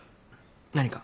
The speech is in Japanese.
何か？